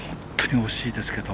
惜しいですけど。